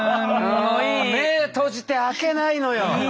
目閉じて開けないのよ。